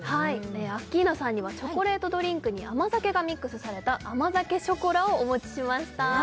アッキーナさんにはチョコレートドリンクに甘酒がミックスされた甘酒ショコラをお持ちしました